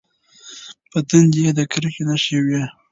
په تندي یې د کرکې نښې وې.